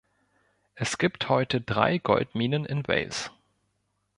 Es gibt heute drei Goldminen in Wales.